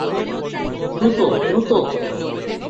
দ্রুত, দ্রুত।